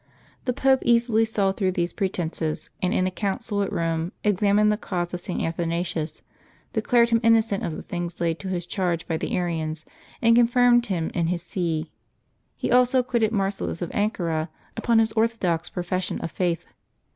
The Pope easily saw through these pretences, and in a council at Rome examined the cause of St. Athanasius, declared him innocent of the things laid to his charge by the Arians, and confirmed him in his see. He also acquitted Marcellus of Ancyra, upon his orthodox profession of faith.